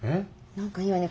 何かいいわね